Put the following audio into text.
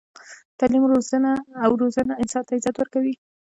تعلیم او روزنه انسان ته عزت ورکوي.